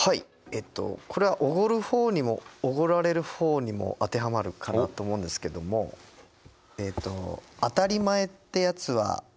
えっとこれはおごる方にもおごられる方にも当てはまるかなと思うんですけどもはあいい！